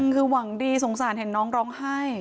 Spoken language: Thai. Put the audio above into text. คือหวังดีสงสารเห็นน้องร้องไห้